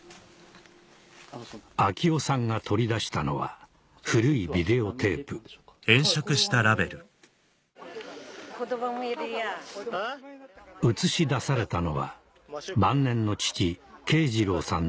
秋夫さんが取り出したのは古いビデオテープ映し出されたのは晩年の父慶次郎さんの姿です